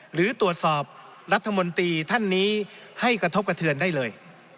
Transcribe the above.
หรือตรวจสอบรัฐมนตรีท่านนี้ให้กระทบกระเทือนได้เลย